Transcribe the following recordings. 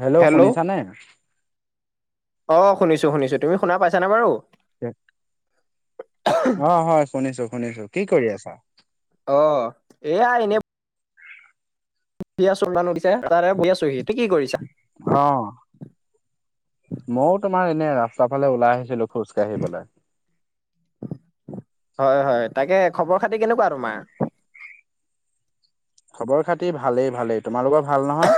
Hello শুনিছা নে অ শুনিছো শুনিছো তুমি শুনা পাইছানে বাৰু অ হয় শুনিছো শুনিছো কি কৰি আছা অ এইয়া এনে বিয়য়াছ লানু দিছে তাতে বিয়াছোহি তটো কি কৰিছা অ মইও তোমাৰ এনে ৰাস্তা ফালে ওলাই আহিছিলো খোজকাঢ়িবলৈ হয় হয় তাকে খবৰ খাতি কেনেকুৱা তোমাৰ খবৰ খাতি ভালেই ভালেই তোমালোকৰ ভাল নহয়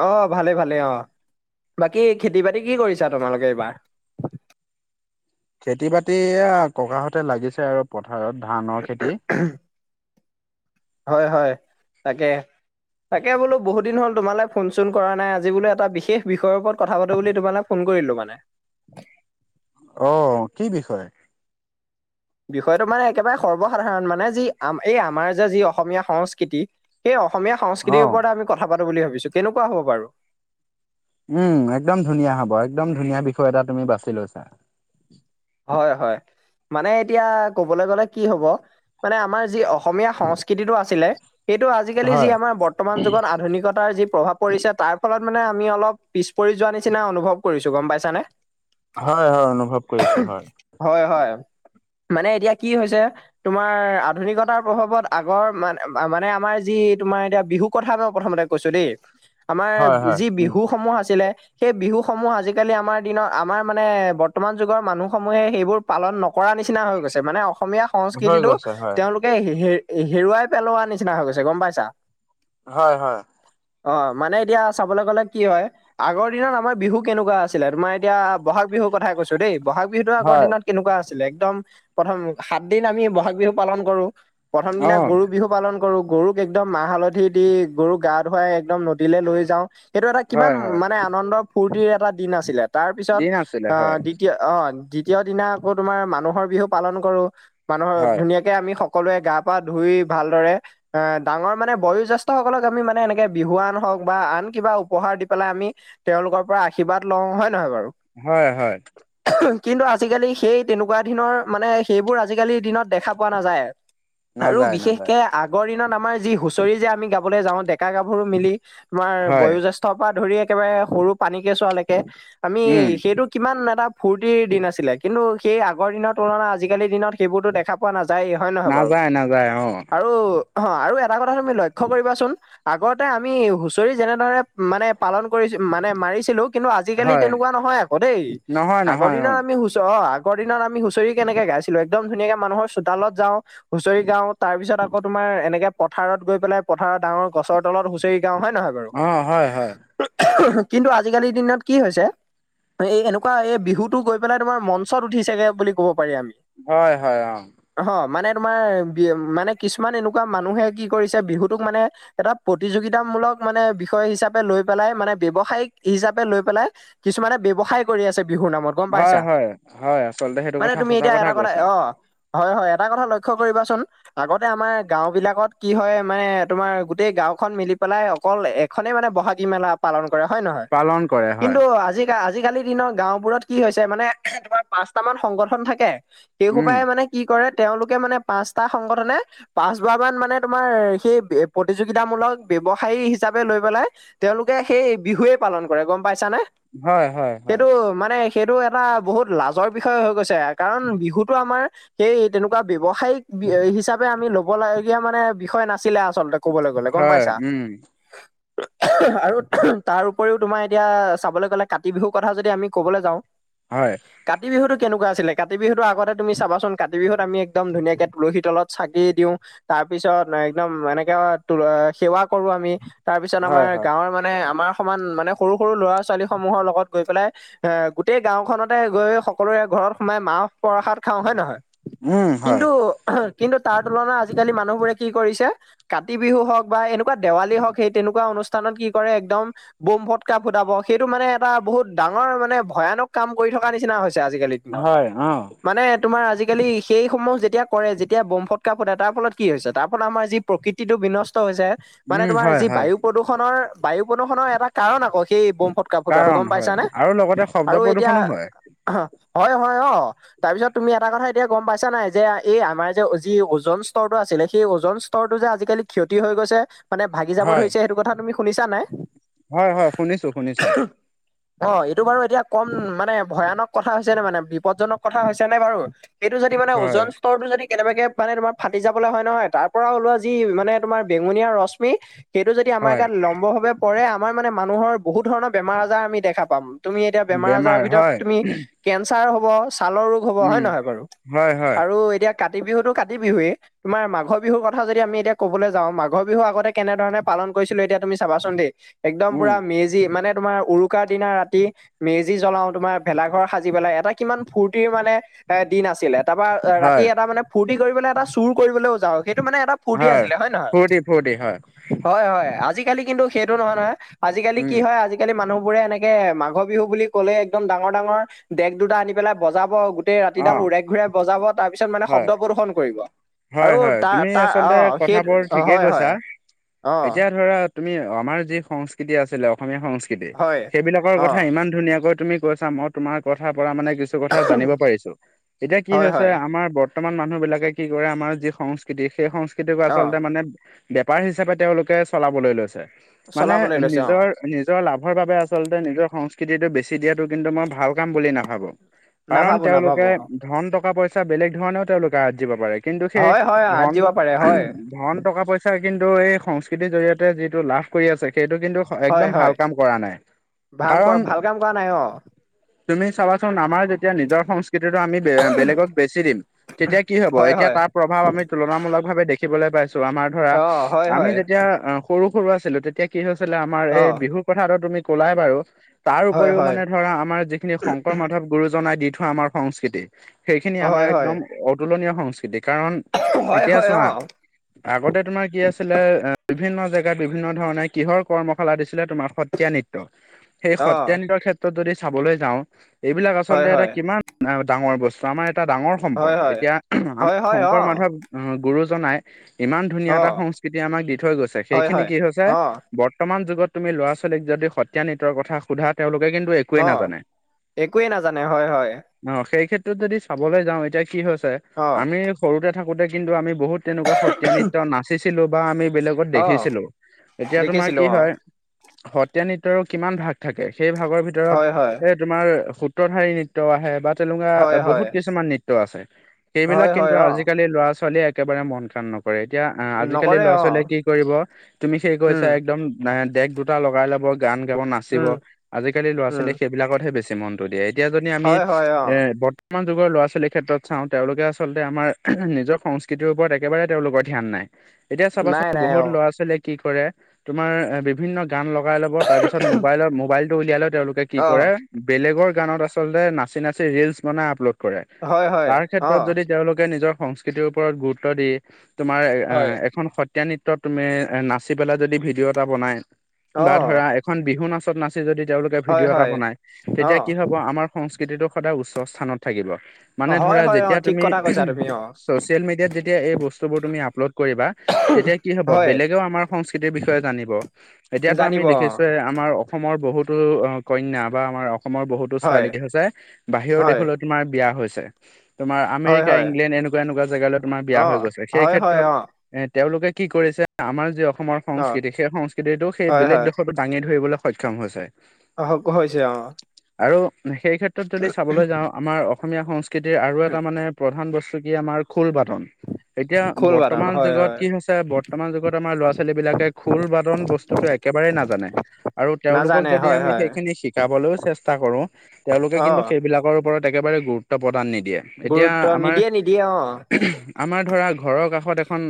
অ ভালে ভালেই অ বাকী খেতি বাতি কি কৰিছা তোমালোকে এইবাৰ খেতি বাতি এয়া ককাহঁতে লাগিছে আৰু পথাৰত ধানৰ খেতি। হয় হয় তাকে, তাকে বোলো বহুদিন হ'ল তোমালে ফোন চোন কৰা নাই আজি বোলে এটা বিশেষ বিষয়ৰ ওপৰত কথা পাতো বুলি তোমালে, ফোন কৰিলো মানে। অ কি বিষয়, বিষয়টো মানে একেবাৰে সৰ্বসাধাৰণ মানে যি আম এই আমাৰ যে যি অসমীয়া সংস্কৃতি, সেই অসমীয়া সংস্কৃতিৰ অ' ওপৰত আমি কথা পাতো বুলি ভাবিছো কেনেকুৱা হ'ব বাৰু। উম একদম ধুনীয়া হ'ব একদম ধুনীয়া বিষয় এটা তুমি বাছি লৈছা। হয় হয় মানে এতিয়া কবলৈ গ'লে কি হ'ব, মানে আমাৰ যি অসমীয়া সংস্কৃতিটো আছিলে। সেইটো আজিকালি যি হয় আমাৰ বৰ্তমান যুগত আধুনিকতাৰ যি প্ৰভাৱ, পৰিছে তাৰ ফলত মানে আমি অলপ পিছ পৰি যোৱা নিচিনা অনুভৱ কৰিছো গম পাইছানে। হয় হয় অনুভৱ কৰিছো হয়। হয় হয় মানে এতিয়া কি হৈছে, তোমাৰ আধুনিকতাৰ প্ৰভাৱত আগৰ মান মানে আমাৰ যি তোমাৰ এতিয়া বিহু, কথা মই প্ৰথমতে কৈছো দেই আমাৰ হয় হয় যি উম বিহু সমূহ আছিলে। সেই বিহুসমূহ আজিকালি আমাৰ দিনৰ আমাৰ মানে বৰ্তমান, মানুহে সেইবোৰ পালন নকৰা নিচিনা হৈ গৈছে মানে অসমীয়া হৈ সংস্কৃতিটো গৈছে হয়। তেওঁলোক, এ হ হেৰুৱাই পেলোৱা নিচিনা হৈ গৈছে গম পাইছা। হয় হয় অ মানে এতিয়া চাবলৈ গ'লে কি হয়। আগৰ দিনত আমাৰ বিহু কেনেকুৱা আছিলে তোমাৰ এতিয়া বহাগ বিহুৰ কথাই কৈছো দেই, বহাগ বিহুতো আগৰ হয় দিনত, কেনেকুৱা আছিলে একদম প্ৰথম সাত দিন আমি বহাগ বিহু পালন কৰো। প্ৰথম দিনা অ' গৰু বিহু পালন কৰো গৰু, একদম মাহ হালধি দি গৰুক গা ধুৱাই একদম নদীলে লৈ যাও সেইটো এটা কিমান হয় হয় মানে, আনন্দ ফূৰ্তিৰ এটা দিন আছিলে, তাৰ পিছত দিন আছিলে হয় আহ দ অ দ্বিতীয় দিনা আকৌ তোমাৰ মানুহৰ বিহু পালন কৰো। মানুহৰ হয় ধুনীয়াক এ আমি সকলোৱে গা পা ধুই ভালদৰে, আ ডাঙৰ মানে বয়োজ্যেষ্ঠ সকলক আমি মানে এনেকে বিহুৱান হওঁক বা আন কিবা উপহাৰ দি পেলাই আমি, তেওঁলোকৰ পৰা আশীৰ্বাদ লওঁ হয় নহয় বাৰু। হয় হয়। কিন্তু আজিকালি সেই তেনেকুৱা দিনৰ মানে সেইবোৰ আজিকালিৰ দিনত দেখা পোৱা নাযায়। আৰু নাযায় নাযায় বিশেষকে আগৰ দিনত আমাৰ যি হুঁচৰি যে আমি গাবলৈ যাওঁ ডেকা গাভৰু মিলি, তোমাৰ হয় বয়োজেষ্ঠৰ পৰা ধৰি একেবাৰে সৰু পানীকেঁচুবা লৈকে আমি উম সেইটো কিমান, এটা ফূৰ্তিৰ দিন আছিলে, কিন্তু সেই আগৰ দিনৰ তুলনাত আজিকালিৰ দিনত সেইবোৰতো দেখা পোৱা নাযায়। হয় নহয় বাৰু নাযায় নাযায় অ আৰু অ আৰু এটা কথা তুমি লক্ষ্য কৰিবাচোন, আগতে আমি হুঁচৰি যেনেধৰে মানে পালন কৰি মানে মাৰিছিলো, কিন্তু আজিকালি হয় তেনেকুৱা নহয় আকৌ দেই। নহয় আগৰ নহয় অ দিনত আমি হুচ অ আগ দিনত আমি হুঁচৰি কেনেকে গাইছিলো একদম ধুনীয়াকে মানুহৰ চোতালত যাও। হুঁচৰি গাও তাৰ পিছত আকৌ তোমাৰ এনেকে পথাৰত গৈ পেলাই পথাৰত ডাঙৰ গছৰ তলত হুঁচৰি গাও হয় নহয়। বাৰু অ হয় হয়। কিন্তু আজিকালিৰ দিনত কি হৈছে এই এনেকুৱা এই, বিহুতটো গৈ পেলাই তোমাৰ মঞ্চত উঠিছেগে বুলি কব পাৰি আমি। হয় হয় অ। অ মানে তোমাৰ বি মানে কিছুমান এনেকুৱা মানুহে কি কৰিছে বিহুটোক মানে, এটা প্ৰতিযোগিতামূলক মানে বিষয় হিচাপে লৈ পেলাই মানে ব্যৱসায়ীক হিচাপে লৈ পেলাই কিছুমানে ব্যৱসায় কৰি আছে বিহুৰ নামত। গম হয় পাইছা, হয় হয় আচলতে সেইটো মানে কথা তুমি সঁচা এতিয়া এটা কথা কৈছা অ হয় হয় এটা কথা লক্ষ্য কৰিবা চোন। আগতে আমাৰ গাঁওবিলাকত কি হয় মানে তোমাৰ গোটেই গাঁওখন মিলি পেলাই অকল এক খনেই মানে ব'হাগী মেলা পালন কৰে হয় নহয়, পালন কৰে হয় কিন্তু আজি আজিকালি দিনৰ গাঁও বোৰত কি হৈছে মানে তোমাৰ পাঁচটা মান সংগঠন থাকে উম সেইসোপাই মানে কি কৰে তেওঁলোকে মানে পাঁচটা সংগঠনে পাঁচবাৰ মান মানে তোমাৰ সেই প্ৰতিযোগিতামূলক ব্যৱসায়ী হিচাপে লৈ পেলাই তেওঁলোকে সেই বিহুৱেই পালন কৰে গম পাইছানে। হয় হয় হয় সেইটো মানে সেইটো এটা বহুত লাজৰ বিষয় হৈ গৈছে কাৰণ বিহুটো আমাৰ সেই তেনেকুৱা ব্যৱসায়িক হিচাপে আমি ল'বলগীয়া মানে বিষয় নাছিলে আচলতে ক'বলে গ'লে গম হয় পাইছা। উম আৰু তাৰ উপৰিও তোমাৰ এতিয়া চাবলে গ'লে কাতি বিহুৰ কথা যদি আমি ক'বলে যাওঁ হয়। কাতি বিহুটো কেনেকুৱা আছিলে কাতি বিহুটো আগতে তুমি চাবাচোন কাতি বিহুত আমি একদম ধুনীয়াকে তুলসী তলত চাকি দিওঁ, তাৰ পিছত একদম এনেকে তুল সেৱা কৰো আমি, তাৰপিছত হয় আমাৰ হয় গাঁৱৰ মানে আমাৰ সমান মানে সৰু সৰু ল'ৰা-ছোৱালীসমূহৰ লগত গৈ পেলাই এ গোটেই গাঁওখনতে গৈ সকলোৰে ঘৰত সোমাই মাহ-প্ৰসাদ খাওঁ হয় নহয়? উম হয় কিন্তু কিন্তু তাৰ তুলনাত আজিকালি মানুহবোৰে কি কৰিছে কাতি বিহুহওক বা এনেকুৱা দেৱালীহওক সেই তেনেকুৱা অনুষ্ঠানত কি কৰে একদম ব'ম, ফটকা ফুটাব সেইটো মানে এটা বহুত ডাঙৰ মানে ভয়ানক কাম কৰি থকা নিচিনা হৈছে আজিকালি। হয় উম। মানে তোমাৰ আজিকালি সেইসমূহ যেতিয়া কৰে, যেতিয়া ব'ম, ফটকা ফুটাই তাৰফলত কি হৈছে, তাৰ ফলত আমাৰ যি প্ৰকৃতিটো বিনষ্ট হৈছে। মানে উম তোমাৰ হয় যি হয় বায়ু প্ৰদূষণৰ, বায়ু প্ৰদূষণৰ এটা কাৰণ আকৌ সেই ব'ম ফট কা ফুটোৱাটো কাৰণ গম হয় পাইছা নে আৰু লগতে শব্দ আৰু এতিয়া প্ৰদূষণো হয় হয় হয় অ তাৰপিছত তুমি এটা কথা এতিয়া গম পাইছা নাই যে এই আমাৰ যে যি অৰ্জন স্তৰটো আছিলে সেই অৰ্জন স্তৰটো যে আজিকালি ক্ষতি হৈ গৈছে, মানে ভাগি যাব হয় ধৰিছে সেইটো কথা তুমি শুনিছা নাই? হয়, হয় শুনিছো, শুনিছো। অ, এইটো বাৰু এতিয়া কম মানে ভয়ানক কথা হৈছে নে মানে, বিপদজনক কথা হৈছে নে বাৰু? এইটো যদি মানে হয় অজন স্তৰটো যদি কেনেবাকে মানে তোমাৰ ফাটি যাবলে হয় নহয় তাৰপৰা ওলোৱা যি মানে তোমাৰ বেঙুনীয়া ৰশ্মি সেইটো যদি আমাৰ হয় গাত লম্বভাৱে পৰে, আমাৰ মানে মানুহৰ বহুত ধৰণৰ বেমাৰ-আজাৰ আমি দেখা পাম। তুমি এতিয়া বেমাৰ-আজাৰৰ বেমাৰ ভিতৰত হয় তুমি কেঞ্চাৰ হ'ব, ছালৰ ৰোগ, হ'ব হয় উম নহয় বাৰু? হয় হয় আৰু এতিয়া কাতি বিহুটো কাতি বিহুৱেই তোমাৰ মাঘৰ বিহুৰ কথা যদি আমি এতিয়া কবলে যাওঁ মাঘৰ বিহু আগতে কেনেধৰণে পালন কৰিছিলো এতিয়া তুমি চাবাচোন দেই একদম উম পোৰা মেজি মানে তোমাৰ উৰুকাৰ দিনা ৰাতি মেজি জ্বলাও তোমাৰ, ভেলাঘৰ সাজি পেলাই এটা কিমান ফূৰ্তিৰ মানে এ দিন আছিলে। তাৰপৰা ৰাতি হয় এটা মানে ফূৰ্তি কৰিবলে এটা চুৰ কৰিবলৈও যাওঁ, সেইটো মানে এটা ফূৰ্তি হয়, আছিলে নহয় ফূৰ্তি ফূৰ্তি, হয়। হয়, হয় আজিকালি কিন্তু সেইটো নহয়, নহয় আজিকালি কি উম হয় আজিকালি মানুহবোৰে এনেকে মাঘৰ বিহু বুলি ক'লে একদম ডাঙৰ, ডাঙৰ ডেগ দুটা আনি পেলাই বজাব গোটেই অ ৰাতিডাল উৰাই ঘূৰাই বজাব তাৰপিছত মানে হয় শব্দ প্ৰদূষন কৰিব। হয় আৰু হয় তাৰ, তুমি তাৰ আচলতে অ, সেই কথাবোৰ অ, ঠিকেই হয় কৈছা হয়, অ। এতিয়া ধৰা তুমি আমাৰ যি সংস্কৃতি আছিলে অসমীয়া সংস্ক স্কৃতি হয় সেইবিলাকৰ অ কথা ইমান ধুনীয়াকৈ তুমি কৈছা মই তোমাৰ কথাৰ পৰা মানে কিছু কিছু কথা জানিব পাৰিছো, এতিয়া কি হয় হৈছে হয় আমাৰ বৰ্তমান মানুহবিলাকে কি কৰে আমাৰ যি সংস্কৃতি সেই সংস্কৃতিক অ আচলতে মানে বেপাৰ হিচাপে তেওঁলোকে চলাবলৈ লৈছে, মানে চলাবলৈ লৈছে অ নিজৰ নিজৰ লাভৰ বাবে আচলতে নিজৰ সংস্কৃতিটো বেছি দিয়াতটো কিন্তু মই ভাল কাম বুলি নাভাবো। কাৰণ নাভাবো তেওঁলোকে নাভাবো অ ধন টকা পইচা বেলেগ ধৰণেও তেওঁলোকে আজিব পাৰে। কিন্তু সেই হয় হয় আঠ দিব পাৰে হয় ধন ধন টকা পইচা কিন্তু এই সংস্কৃতিৰ জৰিয়তে যিটো লাভ কৰি আছে, সেইটো কিন্তু হয় একদম ভাল হয় কাম কৰা নাই, ভাম কৰ কাৰণ ভাল কাম কৰা নাই অ তুমি চাবাচোন আমাৰ যেতিয়া নিজৰ সংস্কৃতিটো আমি বে-বেলেগক বেচি দিম তেতিয়া কি হব, হয় এতিয়া হয় তাৰ প্ৰভাৱ আমি তুলনামূলক ভাৱে দেখিবলৈ পাইছো, আমাৰ ধৰা অ হয় আমি হয় যেতিয়া সৰু সৰু আছিলোঁ তেতিয়া কি হৈছিলে আমাৰ অ এই বিহুৰ কথাটো তুমি ক'লাই বাৰু। তাৰ হয় উপৰিও হয় মানে ধৰা আমাৰ যিখিনি শংকৰ মাধৱ গুৰুজনাই দি থোৱা আমাৰ সংস্কৃতি। সেইখিনি হয় আমাৰ হয় একদম অতুলনীয় সংস্কৃতি, কাৰণ হয় এতিয়া হয় চোৱা অ আগতে তোমাৰ কি আছিলে বিভিন্ন জেগাত বিভিন্ন ধৰণে কিহৰ কৰ্মশালা দিছিলে তোমাৰ সত্ৰীয়া নৃত্য। সেই অ সত্ৰীয়া নৃত্যৰ ক্ষেত্ৰত যদি চাবলৈ যাওঁ, এইবিলাক হয় আচলতে এটা হয় কিমান ডাঙৰ বস্তু আমাৰ এটা ডাঙৰ হয় হয়। আমা হয় হয় অ শংকৰ মাধৱ গুৰুজনাই ইমান ধুনীয়া অ এটা সংস্কৃতি আমাক দি থৈ গৈছে, হয় সেইখিনি হয় কি হৈছে অ বৰ্তমান যুগত তুমি ল'ৰা ছোৱালীক যদি সত্ৰীয়া নৃত্যৰ কথা সোধা তেওঁলোকে কিন্তু একোৱেই অ' নাজানে একোৱে নাজানে হয় হয়। অ' সেই ক্ষেত্ৰত যদি চাবলৈ যাওঁ এতিয়া কি হৈছে অ আমি সৰুতে থাকোতে কিন্তু আমি বহুত তেনেকুৱা সত্ৰীয়া নৃত্য নাচিছিলো। বা আমি বেলেগত অ দেখিছিলো এতিয়া তোমাৰ দেখিছিলো কি অ হয়। সত্ৰীয়া নৃত্যৰো কিমান ভাগ থাকে সেই ভাগৰ ভিতৰত হয় হয় এ তোমাৰ সূত্ৰধাৰী নৃত্য আহে বা তেনেকুৱা হয় হয় বহুত কিছুমান নৃত্য আছে। সেইবিলাক হয় হয় কিন্তু অ আজিকালি ল'ৰা ছোৱালীয়ে একেবাৰে মন কাণ নক কৰে এতিয়া আজিকালি নকৰে ল'ৰা অ ছোৱালীয়ে কি কৰিব তুমি সেই কৈছা উম একদম নাই ডেক দুটা লগাই লব গান গাব নাচিব উম আজিকালি ল'ৰা উম ছোৱালীয়ে সেইবিলাকতহে বেছি মনটো দিয়ে। এতিয়া যদি আমি হয় হয় অ এ বৰ্তমান যুগৰ ল'ৰ ছোৱালীৰ ক্ষেত্ৰত চাওঁ তেওঁলোকে আচলতে আমাৰ নিজৰ সংস্কৃতিৰ ওপৰত একেবাৰে তেওঁলোকৰ ধ্যান নাই। এতিয়া চাবাচোন নাই নাই অ বহুত ল'ৰা ছোৱালীয়ে কি কৰে, তোমাৰ এ বিভিন্ন গান লগাই ল'ব তাৰপিছত মোবাইলত মোবাইলটো উলিয়ালেও তেওঁলোকে কি অ কৰে বেলেগৰ গানত আচলতে নাচি নাচি ৰিলচ বানাই আপলোড কৰে। হয় হয়। তাৰ অ ক্ষেত্ৰত যদি তেওঁলোকে নিজৰ সংস্কৃতিৰ ওপৰত গুৰুত্ব দি তোমাৰ এ আ হয় এখন সত সত্ৰীয়া নৃত্যত তুমি এ নাচি পেলাই যদি ভিডিঅ' এটা বনাই অ বা ধৰা এখন বিহু নাচ ত নাচি যদি তেওঁলোকে হয় ভিডিঅ' এটা হয় বনাই অ তেতিয়া কি হ'ব আমাৰ সংস্কৃতিটো সদায় উচ্চ স্থানত থাকিব মানে হয় ধৰা হয় অ যেতিয়া ঠিক তুমি কথা কৈছা তুমি অ ছচিয়েল মডিয়াত যেতিয়া এই বস্তবোৰ তুমি আপলোড কৰিবা তেতিয়া কি হব হয় বেলেগেও আমাৰ সংস্কৃতিৰ বিষয়ে জানিব, এতিয়াতো আমি জানিব অ দেখিছোঁয়ে আমাৰ অসমৰ বহুতো অ' কন্যা বা আমাৰ অসমৰ বহুতো হয় ছোৱালী কি হৈছে বাহিৰৰ হয় দেশলৈ তোমাৰ বিয়া হৈছে। তোমাৰ হয় আমেৰিকা, হয় ইংলেণ্ড এনেকুৱা এনেকুৱা জেগালৈ তোমাৰ বিয়া অ হৈ গৈছে, সেই হয় হয় ক্ষেত্ৰত অ এ তেওঁলোকে কি কৰিছে আমাৰ যি অসমৰ অ সংস্কৃতি সেই সংস্কৃতিটো সেই হয় হয় বেলেগ দেশত দাঙি ধৰিবলৈ সক্ষম হৈছে। আহ গ হৈছে অ'। আৰু সেই ক্ষেত্ৰত যদি চাবলৈ যাওঁ আমাৰ অসমীয়া সংস্কৃতিৰ আৰু এটা এটা মানে প্ৰধান বস্তু কি আমাৰ খোল বাটন। এতিয়া খোল বাদন বৰ্তমান হয় যুগত হয় কি হৈছে বৰ্তমান যুগত আমাৰ ল'ৰা ছোৱালী বিলাকে খোল বাদন বস্তু তো একেবাৰেই নাজানে। আৰু তেওঁলোকক নাজানে যদি হয় আমি হয় সেইখিনি শিকাবলৈও চেষ্টা কৰো তেওঁলোকে অ কিন্তু সেইবিলাকৰ ওপৰত একেবাৰে গুৰুত্ব প্ৰদান নিদিয়ে, এতিয়া গুৰুত্ব আমাৰ নিদিয়ে নিদিয়ে অ আমাৰ ধৰা ঘৰৰ কাষত এখন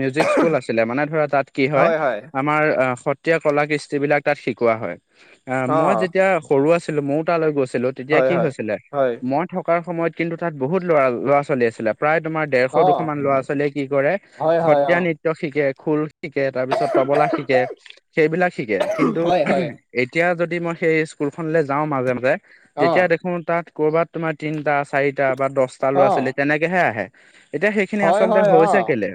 মিউজিক স্কুল আছিলে মানে ধৰা তাত কি হয় আমাৰ আহ সত্ৰীয়া কলা-কৃষ্টি বিলাক তাত শিকোৱা হয় আহ অ মই যেতিয়া সৰু আছিলো মইও তালৈ গৈছিলো তেতিয়া হয় কি হয় হৈছিলে হয় মই থকাৰ সময়ত কিন্তু তাত বহুত লৰা ল'ৰা-ছোৱালী আছিলে প্ৰায় তোমাৰ দেৰশ অ দুশ মান ল'ৰা ছোৱালীয়ে কি কৰে হয় হয় অ সত্ৰীয়া নৃত শিকে, খোল শিকে, তাৰ পিছত তবলা শিকে, সেইবিলাক শিকে কিন্তু। হয় হয় এতিয়া যদি মই সেই স্কুলখনলে যাওঁ মাজে মাজে অ তেতিয়া দেখোঁ তাত। কৰ'বাত তোমাৰ তিনিটা, চাৰিটা বা দহটা ল'ৰা অ ছোৱালী তেনেকেহে আহে। এতিয়া সেইখিনি হয় আচলতে হয় অ হৈছে কেলে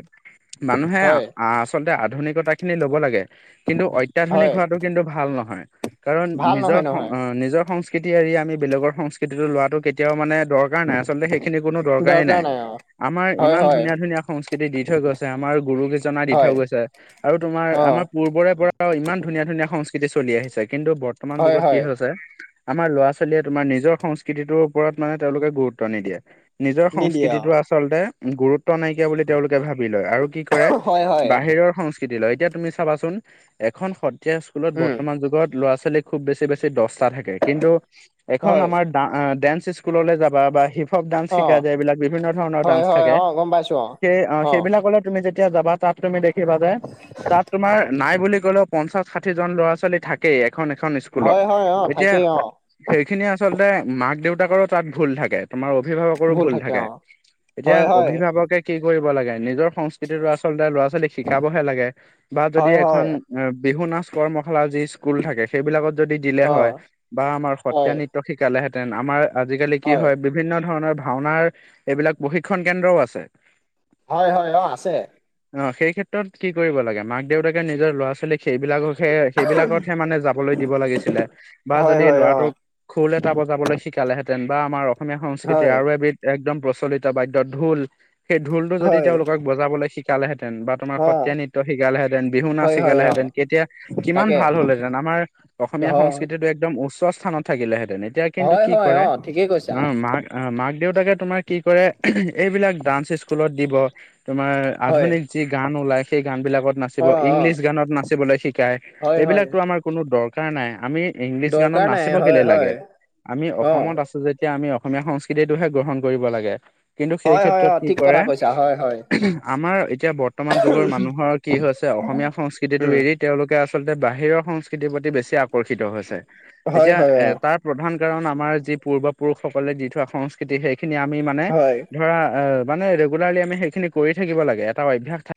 মানুহে। হয় আচলতে আধুনিকতা খিনি লব লাগে, কিন্তু অত্যাধুনিক হয় হোৱাটো কিন্তু ভাল নহয়। কাৰণ ভাল নিজৰ নহয় নহয় নিজৰ সংস্কৃতি এৰি আমি বেলেগৰ সংস্কৃতিটো লোৱাটো কেতিয়াও মানে দৰ কাৰ নাই আচলতে সেইখিনি কোনো দৰকাৰেই দৰকাৰ নাই। অ আমাৰ হয় ইমান হয় ধুনীয়া ধুনীয়া সংস্কৃতি দি থৈ গৈছে আমাৰ গুৰুকেইজনাই দি থৈ হয় গৈছে। আৰু তোমাৰ অ আমাৰ পূৰ্বৰে পৰা। ইমান ধুনীয়া ধুনীয়া সংস্কৃতি চলি আহিছে কিন্তু বৰ্তমান হয় যুগত কি হয় হৈছে। আমাৰ ল'ৰা ছোৱালীয়ে তোমাৰ নিজৰ সংস্কৃতিটোৰ ওপৰত মানে তেওঁলোকে গুৰুত্ব নিদিয়ে। নিজৰ নিদিয়ে অ সংস্কৃতিটো আচলতে গুৰুত্ব নাইকিয়া বুলি তেওঁলোকে ভাবি লয়, আৰু কি? কৰে হয় হয় বাহিৰৰ সংস্কৃতি লয়, এতিয়া তুমি চাবাচোন এখন স এতিয়া স্কুলত উম বৰ্তমান যুগত ল'ৰা ছোৱালী খুব বেছি বেছি দচটা থাকে, কিন্তু এখন হয় আমাৰ। ড ডে্স স্কুললৈ যাবা বা। সৱ ডান্স অ শিকা যায় এইবিলাক বিভিন্ন ধৰণৰ হয় ডান্স হয় থাকে অ গম পাইছো সেই অ সেইবিলাকলে। তুমি যেতিয়া যাবা তাত তুমি দেখিবা যে তাত তোমাৰ নাই বুলি ক'লেও। পঞ্চাশ ষাঠি জন ল'ৰা ছোৱালী থাকেই এখন এখন স্কুলত, হয় হয় অ এতিয়া। থাকেই অ সেইখিনি আচলতে মাক দেউতাকৰো তাত ভুল থাকে তোমাৰ অভিভাৱক। কৰো ভুল থাকে এতিয়া হয় হয় অভিভাৱকে কি কৰিব লাগে নিজৰ সংস্কৃতি ল'ৰাচলতে ল'ৰা ছোৱালী। শিকাবহে লাগে। বা যদি হয় এখন হয় বিহু নাচ কৰ্মশালা যি স্কুল থাকে সেইবিলাকত যদি দিলে অ হয়। বা আমাৰ হয় সত্ৰীয়া নৃত্য শিকালেহেতেন, আমাৰ আজিকালি কি হয়? বিভিন্ন ধৰণৰ ভাওনাৰ এইবিলাক প্ৰশিক্ষণ কেন্দ্ৰও আছে। হয়, হয় অ আছে। অ সেই ক্ষেত্ৰত কি কৰিব লাগে মাক দেউতাকে নিজৰ ল'ৰা ছোৱালীক সেইবিলাকহে। সেইবিলাকতহে মানে যাবলৈ দিব লাগিছিলে বা হয় যদি হয় অ ল'ৰাটোক। খোল এটা বজাবলৈ শিকালেহেঁতেন বা আমাৰ অসমীয়া সংস্কৃতিৰ হয় আৰু এবিধ। একদম প্ৰচলিত বাদ্য ঢোল, সেই ঢোলটো যদি হয় তেওঁলোকক বজাবলৈ শিকালেহেঁতেন বা। তোমাৰ অ সত্ৰীয়া নৃত্য শিকালেহেঁতেন, বিহু নাচ হয় হয় অ শিকালেহেঁতেন, কেতিয়া। কিমান তাকে ভাল হ'লহেতেন আমাৰ অসমীয়া হয় সংস্কৃতিটো একদম উচ্চ স্থানত। থাকিলেহেতেন এতিয়া কিন্তু হয় কি হয় কৰে? অ ঠিকেই কৈছা অ মাক মাক দেউতাকে তোমাৰ কি কৰে এইবিলাক ডান্স স্কুলত দিব। তোমাৰ হয় আধুনিক যি গান ওলাই সেই গান বিলাকত অ নাচিব, অ ইংলিছ গানত নাচিবলৈ শিকায়। হয় হয় এইবিলাকো আমাৰ কোনো দৰকাৰ নাই আমি। ইংলিছ গানত দৰকাৰ নাই নাচিব হয় কেলে হয় লাগে আমি অ অসমত আছো। যেতিয়া আমি অসমীয়া সংস্কৃতিটোহে গ্ৰহণ কৰিব লাগে কিন্তু সেই হয় হয় ক্ষেত্ৰত অ কি ঠিক কথা কৰে? কৈছা হয় হয় আমাৰ এতিয়া বৰ্তমান যুগৰ মানুহৰ কি হৈছে অসমীয়া সংস্কৃতিটো উম এৰি। তেওঁলোকে আচলতে বাহিৰৰ সংস্কৃতিৰ প্ৰতি বেছি আকৰ্ষিত হৈছে হয় এতিয়া হয় এ অ তাৰ। প্ৰধান কাৰণ আমাৰ যি পূৰ্ব পুৰুষসকলে দি থোৱা সংস্কৃতি সেই। খিনি আমি মানে হয় ধৰা অ মানে ৰেগুলাৰলি আমি সেইখিনি কৰি থাকিব লাগে এটা অভ্যাস থা